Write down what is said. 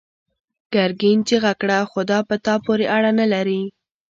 ګرګين چيغه کړه: خو دا په تا پورې اړه نه لري!